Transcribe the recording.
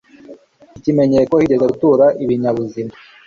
ikimenyetso ko higeze gutura ibinyabuzima